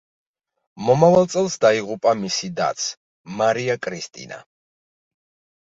მომავალ წელს დაიღუპა მისი დაც, მარია კრისტინა.